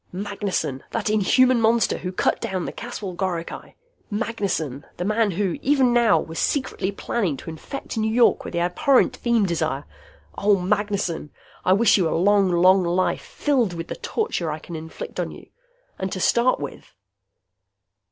Magnessen! That inhuman monster who cut down the Caswell goricae! Magnessen! The man who, even now, was secretly planning to infect New York with the abhorrent feem desire! Oh, Magnessen, I wish you a long, long life, filled with the torture I can inflict on you. And to start with....